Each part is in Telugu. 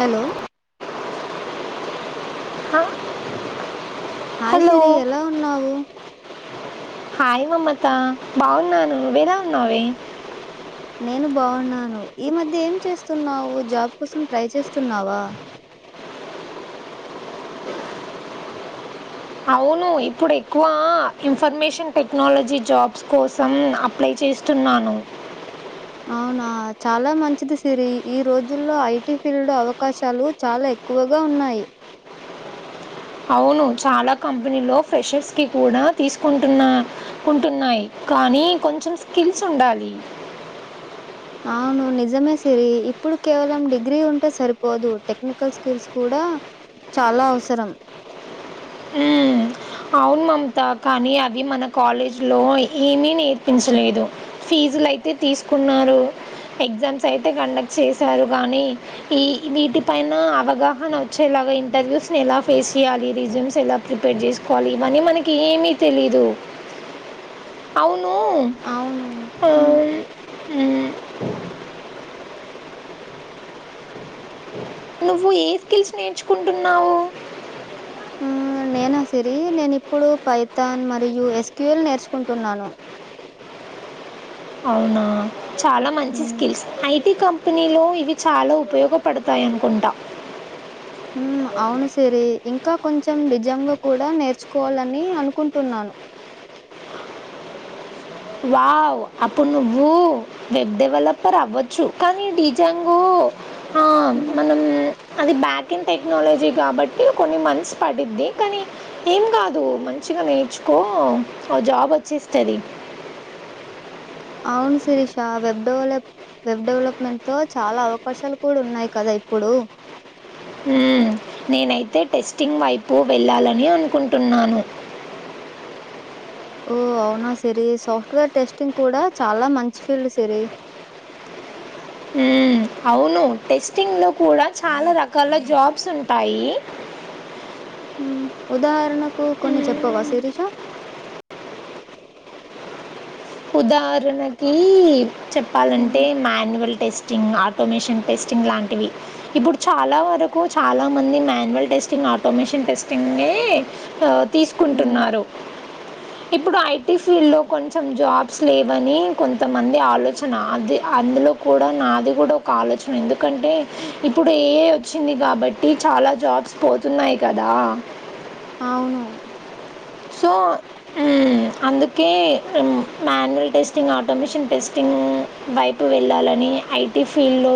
హలో ఆ హాయ్ సిరి ఎలా ఉన్నావు? హాయ్ మమత బావున్నాను నువేల ఉన్నావే? నేను బావున్నాను. ఈ మధ్య ఏం చేస్తున్నావు, జాబ్ కోసం ట్రై చేస్తున్నావా? అవును ఇప్పుడు ఎక్కువ ఇన్ఫర్మేషన్ టెక్నాలజీ జాబ్స్ కోసం అప్లై చే చేస్తున్నాను అవునా చాలా మంచిది సిరి ఈ రోజుల్లో ఐటీ ఫీల్డ్ అవకాశాలు చాలా ఎక్కువ. గా ఉన్నాయ్ అవును చాలా కంపెనీలో ఫ్రెషర్స్ కి కూడా తీసుకుంటున్నా కుంటూన్నాయ్ కానీ కొంచెం స్కిల్స్ ఉండాలి. అవును నిజమే సిరి ఇప్పుడు కేవలం డిగ్రీ ఉంటే సరిపోదు. టెక్నికల్ స్కిల్స్ కూడా అ చాలా అవసరం మ్మ్. అవును మమత కానీ అవి మన కాలేజ్ లో ఏమీ నేర్పించలేదు ఫీజ్ ఫీజ్లైతే తీసుకున్నారు. ఎగ్జామ్స్ అయితే కండక్ట్ చేసారు గానీ ఇ ఇవి టి పైన అవగాహన వచ్చేలాగా ఇంటర్వ్యూస్ ని ఎలా ఫేస్ చేయాలి రిజ్యూమ్స్ ఎలా ప్రిపేర్ చేసు కోవాలి ఇవన్నీ మనకి ఏమీ తెలీదు అవును అవును. అవును హ్మ్. అం ఉ నువ్వు ఏ స్కిల్స్ నేర్చుకుంటున్నావు? ఆ నేనా సిరి నేను ఇప్ ఇప్పుడు పైథాన్ మరియు ఎస్క్యూలు నేర్చుకుంటున్నాను. అవునా చాలా మంచి హ్మ్. స్కిల్స్ ఐటీ కం కంపనీలో ఇవి చాలా ఉపయోగపడతాయి అనుకుంటా. ఉమ్ అవును సిరి ఇంకా కొంచెం డిజ్. జంగా కూడా నేర్చుకోవాలని అనుకుంటున్నాను. వావ్ అప్పుడు నువ్వు వెబ్ డెవలపర్ అవ్వచ్చు. కానీ డిజంగు ఉ ఆ హ్మ్. మనం అది బ్యాక్ ఇన్ టెక్నాలజీ కాబట్టి కొన్ని మంత్స్ పడిద్ది. కానీ ఏం కాదు మంచి ఊటిగా నేర్చుకో జాబ్ వచ్చేస్తది. అవును శిరీష వెబ్డెవలప్. వెబ్ డెవలప్మెంట్ లో చాలా అవకాశాలు కూడా ఉన్నాయి కదా ఇప్పుడు. ఉహ్మ్ నేనైతే టెస్టింగ్ వైపు వెళ్ళాలని అనుకుంటున్నాను. ఓ అవునా సిరి సాఫ్ట్వేర్ టెస్టింగ్ కూడా చాలా మంచి ఫీల్డ్ సిరి. మ్మ్. అవును టెస్టింగ్లో కూడా చాలా రకాల జాబ్స్ ఉంటాయి. హ్మ్ ఉదాహరణకు కొన్ని చెప్పవా మ్మ్. శిరీష. ఉదాహరణకి చెప్పాలంటే హ్మ్. Manual testing automation test. Sting లాంటివి ఇప్పుడు చాలా వరకు చాలా మంది మాన్యువల్ టెస్టింగ్ ఆటోమేషన్ టెస్టింగే. హే ఆహ్ హ్మ్. తీసుకుంటున్నారు ఇప్పుడు ఐటీ ఫీల్డ్ లో కొంచం. జాబ్స్ లేవని కొంతమంది ఆలోచన అది అందులో కూడా నాది కూడా ఒక ఆలోచన. ఎందుకంటే ఇప్పుడు ఏఐ వచ్చింది కాబట్టి చాలా జాబ్స్ పోతున్నాయి కదా. అవును. సో హ్మ్ అందుకే మాన్యువల్ టెస్టింగ్ ఆటోమేషన్ టెస్టింగ్. ఉమ్ వైపు వెళ్ళాలని ఐటీ ఫీల్డ్లో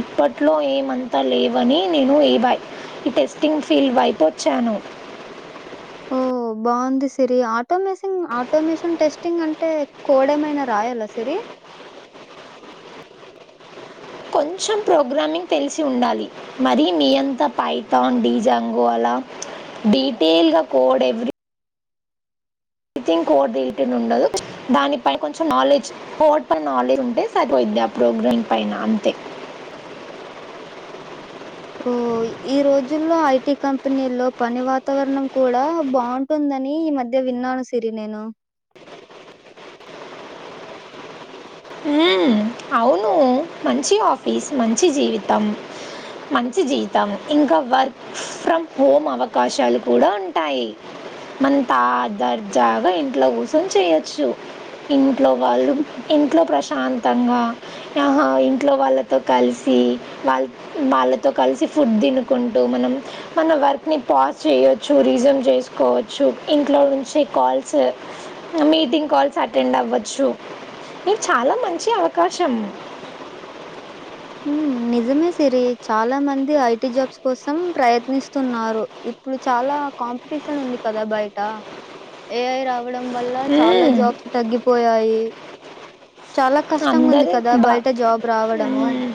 ఇప్పట్లో ఏమంతా లేవని. నేను ఏవై ఈ టెస్టింగ్ ఫీల్డ్ వైపు వచ్చాను. ఓ. ఓ బాగుంది సిరి ఆటోమేసింగ్ ఆటోమేషన్ టెస్టింగ్ అంటే కోడ్ ఏమైనా రాయాలా సిరి. కొంచం ప్రోగ్రామింగ్ తెలిసి ఉండాలి మరి మీ అంతా పైతాన్ డీ జాంగో అలా. డీటెయిల్గా code every. Think code detail ఉండదు దానిపై కొంచం నాలెడ్జ్ కోడ్ పై నాలెడ్జ్ ఉంటే సరిపోయిది. అ ప్రోగ్రాం పైన అంతే. ఓ ఈ రోజుల్లో ఐటీ కంపెనీల్లో పని వాతావరణం కూడా బౌంటుందా. అని ఈ మధ్య విన్నాను సిరి నేను. హ్మ్ అవును మంచి ఆఫీస్ మంచి జీవితం. మంచి జీతం ఇంకా వర్క్ ఫ్రమ్ హోమ్ అవకాశాలు కూడా ఉంటాయి. మన్త తర్జాగా ఇంట్లో కూర్చొని చేయొచ్చు. ఇంట్లో వాళ్ళు ఇంట్లో ప్రశ్. శాంతంగా యహొ ఇంట్లో వాళ్ళతో కలిసి వాళ్ వాళ్ళతో కలిసి. ఫుడ్ తినుకుంటూ మనం మన వర్క్ ను పాస్ చేయొచ్చు రిజూమ్ చేసుకోవచ్చు ఇంకా. ఇంట్లో నుంచి కాల్స్ మీటింగ్ కాల్స్ అటెండ్ అవచ్చు. చాలా మంచి అవకాశం. ఉహ్మ్ నిజమే సిరి చాలా మంది ఐటి జాబ్స్ కోసం ప్రయత్నిస్తున్నారు ఇప్పుడు. చాలా కాంపిటీషన్ ఉంది కదా బయట ఏఐ రావ. రావడం వల్ల చాలా మ్మ్. జాబ్స్ తగ్గిపోయాయి. చాలా కష్టంగా ఉంది అందరూ కదా బా బయట జాబ్ రావడము. మ్మ్.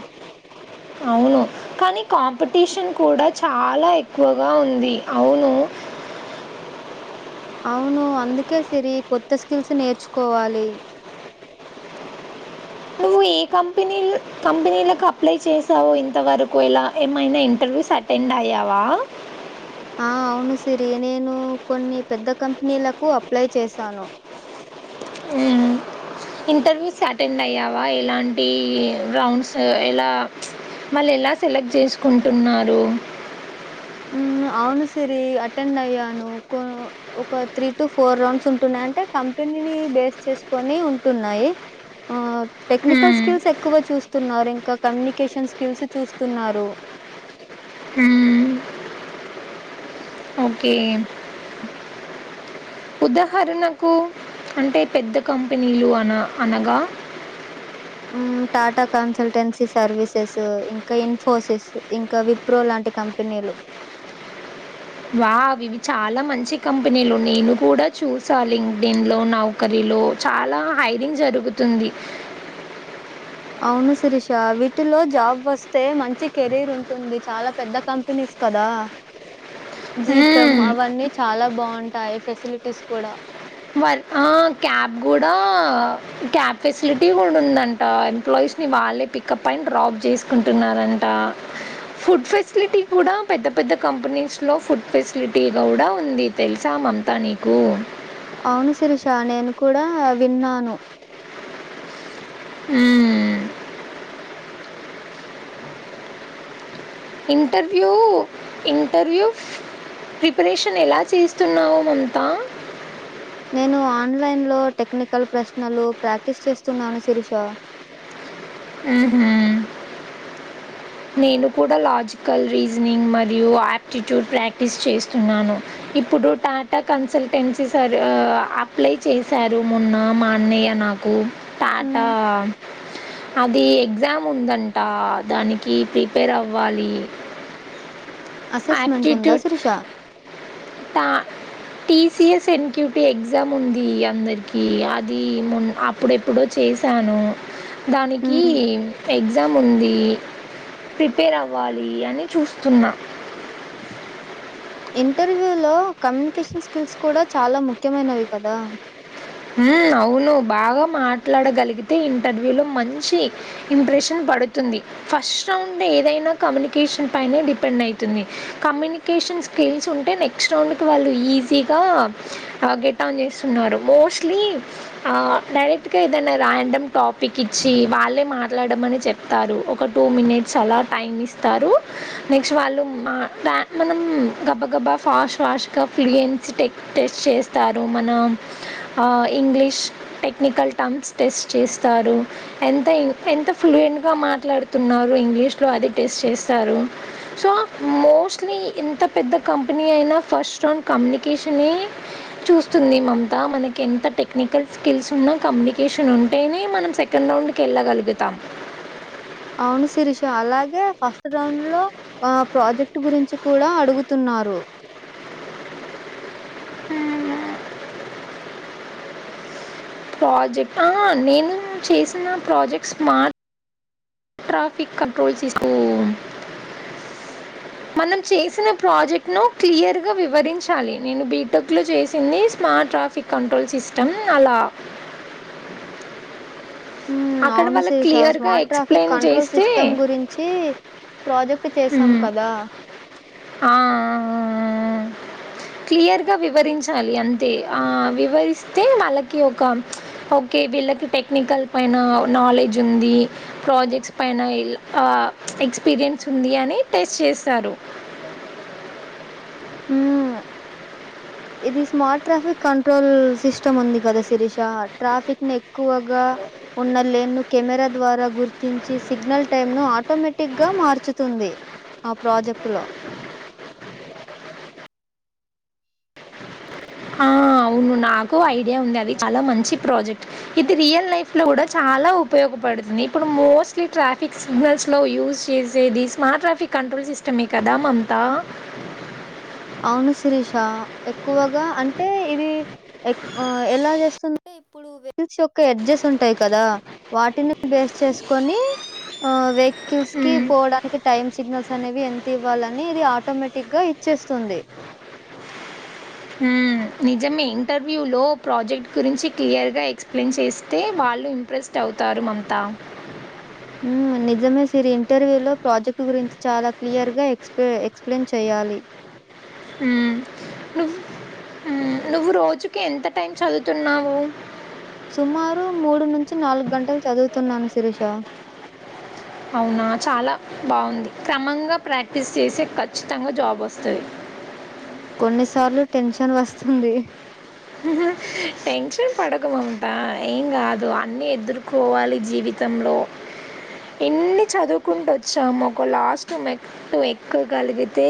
అవును కానీ కాంపిటీషన్ కూడా చాలా ఎక్కువగా ఉంది అవును. అవును అందుకే సిరి కొత్త స్కిల్స్ నేర్చుకోవాలి నువ్వు ఏ కంపెనీ కంపెనీలకు అప్లై చేసావు ఇంతవరకు ఇలా ఏమైనా ఇంటర్ ర్స్వు అటెండ్ అయ్యావా ఆ అవును సిరి నేను కొన్ని పెద్ద కంపెనీలకు అప్లై చేశాను మ్మ్. ఇంటర్వ్యూస్ అటెండ్ అయ్యావా ఎలాంటి రౌండ్స్ ఎలా ప్చ్ మళ్ళేలా. సెలెక్ట్ చేస్కుంటున్నారు. మ్ అవును సిరి అటెండ్ అయ్యాను కో ఒక త్రీ టు ఫోర్ రౌండ్స్ ఉంటున్న అంటే కంపినీని బేస్ చేసుకొని ఉంటున్నాయి ఆ టెక్నికల్ మ్మ్. స్కిల్స్ ఎక్కువ చూస్తున్నారు ఇంకా కమ్యూనికేషన్ స్కిల్స్ చూస్ తున్నారు హుమ్ ఓకే ఉదాహరణకు అంటే పెద్ద కంపినీలు అన అనగా టాటా కన్సల్టెన్సీ సర్వీసెస్ ఇంకా ఇన్ఫోసిస్ ఇంకా విప్రో లాం టి కంపినిలు వావ్ ఇవి చాలా మంచి కంపెనీలు నేను కూడా చూసా లింక్డిన్లో నౌకరీ లో చాలా హైరింగ్ జరుగుతుంది అవును శిరీష వీటిలో జాబ్ వస్తే మంచి కెరీరుంటుంది చాలా పెద్ద కంపెనీస్ కదా జీతం మ్మ్. అవన్నీ చాలా బాగుంటాయి ఫెసిలిటీస్ కూడా వ క్యాబ్ కూడా క్యాబ్ ఫెస్లిటీ కూడా ఉందంట ఎంప్లాయ్ స్ని వాళ్ళే పికప్ అయిడ్ డ్రాప్ చేస్కుంటున్నారంట ఫుడ్ ఫెస్లిటీ కూడా పెద్ద పెద్ద కంపెనీస్లో ఫుడ్ ఫెస్లిటీ కూడా ఉంది తెల్సా మా తా నీకు ఔను శిరిష నేను కూడా విన్నాను హుమ్ ఇంటర్యూ ఇంటర్వూ ప్రిపరేషన్ ఎలా చేస్తున్నావు మమత నేను ఆన్లైన్లో టెక్నికల్ ప్రశ్నలు ప్రాక్టీస్ చేస్తున్నాను శిరీష మ్ హు నేను కూడా లాజికల్ రీజనింగ్ మరియు ఆప్టిట్యూడ్ ప్రాక్టీస్ చేస్తున్నాను ఇప్పుడు టాటా కన్సల్టెన్సీ సర్ ఆ అప్లై చేశారు మొన్న మా అన్నయ్య నాకు టాటా హ్మ్. అది ఎగ్జాముందంట దాని కి ప్రిపేరవ్వాలి అసెస్మెంటుందా శిరిషా టిసిఎస్ ఎన్క్యూటివ్ ఎగ్జాముంది అందరికి అది మ అప్పుడెప్పుడో చే శాను దానికి హ్మ్. ఎగ్జాముంది ప్రిపేరవ్వాలి అని చూస్తున్నా ఇంటర్వ్యూ లో కమ్యూనికేషన్ స్కిల్స్ కూడా చాలా ముఖ్యమైనవి కదా హుమ్ అవును బాగా మాట్లాడగల్గితే ఇంటర్వ్యూ లో మంచి ఇంప్రెషన్ పడుతుంది ఫస్ట్ రౌండ్ ఏదైనా కమ్యూనికేషన్ పైనే డిపెండైతుంది కమ్యూనికేషన్ స్కిల్సుంటే నెక్స్ట్ రౌండ్కు ఈజీగా గేటడౌన్ మోస్ స్లీ డైరెక్ట్గా ఏదైనా ర్యాండమ్ టాపికిచ్చి వాళ్ళే మాట్లాడమని చెప్ ప్తారు ఒక టూ మినిట్స్ అలా టైమిస్తారు నెక్స్ట్ వాళ్ళు మ మనం గబ గబా ఫాస్ట్ ఫాస్ట్గా ఫ్లుయెన్సీ టె టెస్ట్ చేస్తారు మన ఆ ఇంగ్లీష్ టెక్నికల్ టమ్స్ టెస్ట్ చేస్తారు. ఎంత ఎంత ఫ్లూయెంట్ ఫ్లుయేంట్గా మాట్లాడుతున్నారు. ఇంగ్లీషులో అది టెస్ట్ చేస్తారు సో మోస్ట్లీ ఎంత పెద్ద కంపెనీ అయినా ఫస్ట్ రౌండ్ కమ్యూనికేషనే చూస్తుంది మమత మన కేంత టెక్నికల్ స్కిల్స్ ఉన్నా కమ్యూనికేషన్ ఉంటేనే మనం సెకండ్ రౌండ్కి వెళ్ళగలుగుతాం అవును శిరీష అలాగే ఫస్ట్ రౌండ్ లో ఆ ప్రాజెక్ట్ గురించి కూడా అడుగుతు న్నారు ప్రాజెక్ట్ ఆహ నేను చేసిన ప్రాజెక్ట్ స్మార్ట్ ట్రాఫిక్ కంట్రోల్ చేస్తు మనం చేసిన ప్రాజెక్ట్ ను క్లియర్ గా వివరించాలి. నేను బీటెక్ లో చేసింది స్మార్ట్ ట్రాఫిక్ కంట్రోల్ సిస్టం అలా అక్కడ అవును వాళ్ళకి శిరీష క్లియర్గా స్మార్ట్ ట్రాఫిక్ ఎక్స్ప్లెయిన్ కంట్రోల్ చేస్తే సిస్టమ్ గురించి ప్రాజెక్ట్ చేసాం "మ్మ్, కదా క్లియర్ గా వివరించాలి అంతే ఆ వివరిస్తే వాళ్ళకి ఒక ఓకె వీళ్ళకి టెక్నికల్ పైన నాలెడ్జ్ ఉంది. ప్రాజెక్ట్స్ పైన ఆ ఎక్స్పీరియన్స్ ఉంది అని టెస్ట్ చేస్తారు. ఉమ్ ఇది స్మార్ట్ ట్రాఫిక్ కంట్రోల్ సిస్టమ్ ఉంది కదా శిరీష ట్రాఫిక్ ని ఎక్కువగా ఉన్న లేను కెమెరా ద్వారా గుర్తించి సిగ్నల్ టైమ్ ను ఆటోమేటిక్ గా మార్చుతుంది. ఆ ప్రాజెక్ట్ లో ఆ అవును నాకు ఐడియా ఉంది. అది చాలా మంచి ప్రాజెక్ట్. ఇది రియల్ లైఫ్ లో కూడా చా లా ఉపయోగపడుతుంది. ఇప్పుడు మోస్ట్లీ ట్రాఫిక్ సిగ్నల్స్ లో యూస్ చేసేది smart traffic control system ఎ కదా మమతా అవును శిరీష ఎక్కువగా అంటే ఇది ఎక్ ఎలా చేస్తుం ఇప్పుడు వెన్స్ యొక్క ఎడ్జస్ ఉంటాయి కదా వాటిని బేస్ చేసుకొని ఆ వెహికల్స్ కి హ్మ్. పోవడానికి టైమ్ సిగ్నల్స్ అనేవి ఎంత ఇవ్వాలని ఇది ఆటోమేటిక్ గా చేస్తుంది ఉమ్ నిజమే ఇంటర్వ్యూ లో ప్రాజెక్ట్ గురించి క్లియర్ గా ఎక్స్ప్లెయిన్ చేస్తే వా వాళ్ళు ఇంప్రెస్డ్ అవుతారు మమతా నిజమే సిరి ఇంటర్వ్యూ లో ప్రాజెక్ట్ గురించి చాలా క్లియర్ గా ఎక్స్ప ఎ క్స్ప్లెయిన్ చేయ్యాలి హుమ్ నువు నువ్వు రోజుకి ఎంత టైం చదువుతున్నావు. సుమారు మూడు నుంచి నాలుగు గంటలు చదువుతున్నాను శిరీష. అవునా చాలా బాగుంది. క్రమంగా ప్రాక్టీస్ చేస్తె ఖచ్చితంగా జాబ్ వస్తది. కొన్నిసార్లు టెన్షన్ వస్తుంది. టెన్షన్ పడకు మమతా ఏం కాదు అన్ని ఎదుర్కోవాలి జీవి తంలో ఇన్ని చదువుకుంటూ వచ్చాము. ఒక లాస్ట్ మెట్టు ఎక్కగలిగితే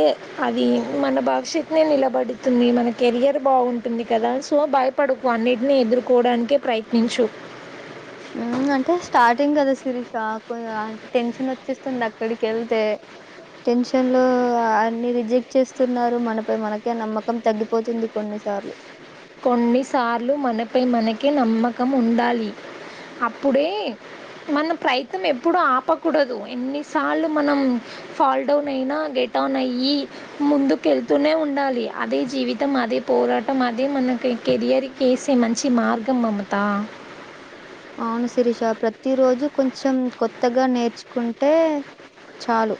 ఇది మన భవిష్యత్నే నిలబెడుతుంది. మన కెరియర్ బాగుంటుంది. కదా సో భయపడకు అన్నిటిని ఎదుర్కోవడానికే ప్రయత్నించు. అంటే స్టార్టింగ్ కదా సిరిషా కు టెన్షన్ వచ్చేస్తుంది. అక్కడికి వెళ్తే టెన్షన్ లో అన్ని రిజెక్ట్ చేస్తున్నారు మనపై మనకే నమ్మకం తగ్గిపోతుంది కొన్ని సార్లు కొన్నిసార్లు మనపై మనకి నమ్మకం ఉండాలి. అప్పుడే మనం ప్రయత్నం ఎప్పుడు ఆపకూడదు. ఎన్నిసార్లు మనం ఫాల్ డౌన్ అయినా గెట్ డౌన్ అయ్యి ముందుకెళ్తూనే ఉండాలి. అదే జీవితం అదే పోరాటం అదే మనకె కెరియర్కి వేసే మంచి మార్గం మమత. అవును శిరీష ప్రతి రోజు కొంచెం కొత్తగా నేర్చుకుంటే చాలు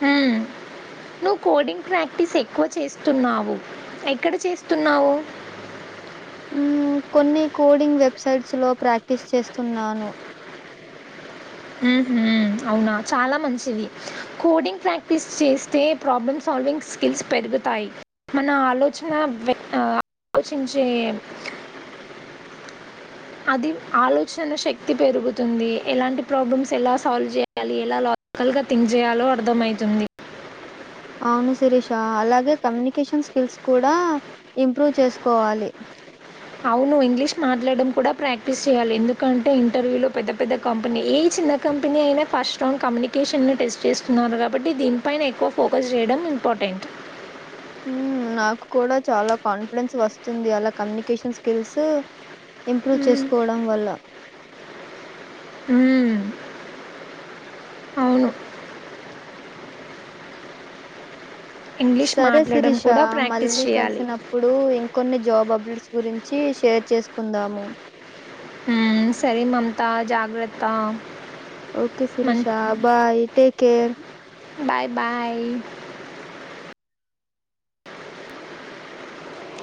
హ్మ్ నువ్వు కోడింగ్ ప్రాక్టీస్ ఎక్కువ చేస్తున్నావు. ఎక్కడ చేస్తున్నావు. ఉమ్ కొన్ని కోడింగ్ వెబ్సైట్స్ లో ప్రాక్టీస్ చేస్తున్నాను. ఉమ్ హు అవునా చాలా మంచిది కోడింగ్ ప్రాక్టీస్ చేస్తే ప్రాబ్లమ్స్ సాల్వింగ్ స్కిల్స్ పెరుగుతాయి మన ఆలోచన వె ఆ కోచించే అది ఆలోచన శక్తి పెరుగుతుంది. ఎలాంటి ప్రాబ్లమ్స్ ఎలా సాల్వ్ చేయాలి. ఎలా లా కల్ గా థింక్ చేయాలో అర్థమైతుంది. అవును శిరీషా అలాగే కమ్యూనికేషన్ స్కిల్స్ కూడా ఇంప్రూవ్ చేసుకోవాలి. అవును ఇంగ్లీష్ మాట్లాడడం కూడా ప్రాక్టీస్ చేయాలి. ఎందుకంటే ఇంటర్వ్యూ లో పెద్ద పెద్ద కంపెనీ ఈ చిన్న కంపెనీ అయినా ఫస్ట్ రౌండ్ కమ్యూనికేషన్ ని టెస్ట్ చేస్తున్నారు. కాబట్టి దీనిపైన ఎక్కువ ఫోకస్ చేయడం ఇంపార్టెంట్ ఉమ్ నాకు కూడా చాలా కాన్ఫిడెన్స్ వస్తుంది. అలా కమ్యూనికేషన్ స్కిల్స్ ఇంప్రూవ్ చేసుకోవడం వల్ల ఉమ్ అవును ఇంగ్లీష్ సరే మాట్లాడడం శిరీష కూడా ప్రాక్టీస్ మళ్ళీ చేయాలి కలిసినప్పుడు ఇంకొన్ని జాబ్ అప్డేట్స్ గురిం చ్చి షేర్ చేసుకుందాము. హుమ్ సరే మమతా జాగ్రత్త ఓకే మన్ Sirisha bye take care bye bye